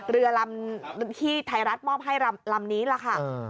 เรือลำที่ไทยรัฐมอบให้ลำนี้ล่ะค่ะ